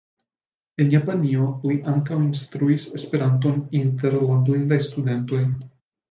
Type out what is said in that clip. En Japanio li ankaŭ instruis Esperanton inter la blindaj studentoj.